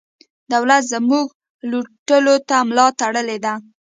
دولت زموږ لوټلو ته ملا تړلې ده.